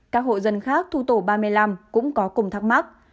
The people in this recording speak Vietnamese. các hộ dân khác thuộc tổ ba mươi năm cũng có cùng thắc mắc